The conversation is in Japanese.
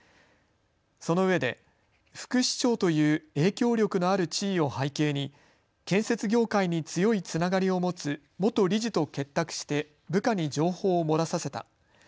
そのうえで副市長という影響力のある地位を背景に建設業界に強いつながりを持つ元理事と結託して部下に情報を漏らさせた。